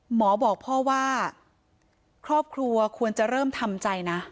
หมอบอกพ่อว่าครอบครัวควรจะเริ่มทำใจนะ